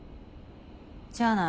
じゃあな。